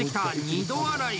二度洗い！